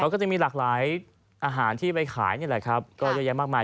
ก็จะมีหลากหลายอาหารที่ไปขายนี่แหละครับก็เยอะแยะมากมาย